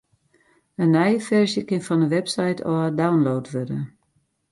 In nije ferzje kin fan de website ôf download wurde.